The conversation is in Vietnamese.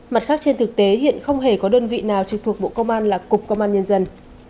mặt khác trên thực tế hiện không hề có đơn vị nào trực thuộc bộ công an là cục công an nhân dân